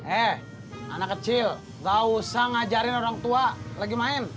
eh anak kecil gak usah ngajarin orang tua lagi main